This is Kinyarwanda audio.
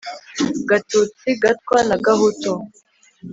gatutsi, gatwa na gahutu